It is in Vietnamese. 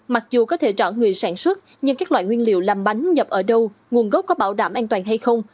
mặc dù có thể chọn người sản xuất nhưng các loại nguyên liệu làm bánh nhập ở đâu nguồn gốc có bảo đảm an toàn hay không